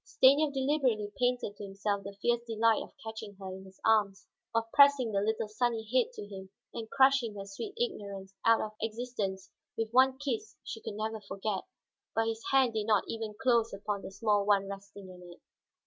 Stanief deliberately painted to himself the fierce delight of catching her in his arms, of pressing the little sunny head to him and crushing her sweet ignorance out of existence with one kiss she could never forget. But his hand did not even close upon the small one resting in it.